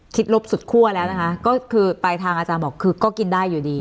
ลบสุดคั่วแล้วนะคะก็คือปลายทางอาจารย์บอกคือก็กินได้อยู่ดี